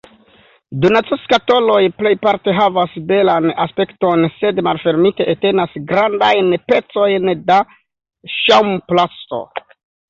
Donacoskatoloj plejparte havas belan aspekton, sed malfermite, entenas grandajn pecojn da ŝaŭmplasto.